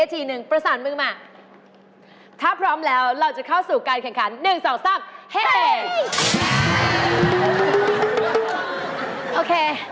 เธอดูดูอีกทีเธอดูกล้านมาก